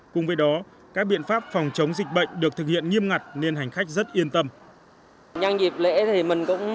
cùng với đó các biện pháp phòng chống dịch bệnh được thực hiện nghiêm ngặt nên hành khách rất yên tâm